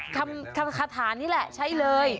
คำคาถานี่แหละใช้เลย